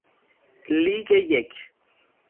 لیگ یک